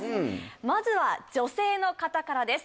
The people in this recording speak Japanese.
まずは女性の方からです